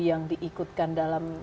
yang diikutkan dalam